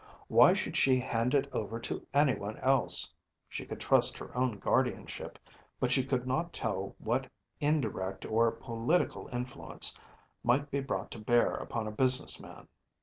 Why should she hand it over to anyone else? She could trust her own guardianship, but she could not tell what indirect or political influence might be brought to bear upon a business man.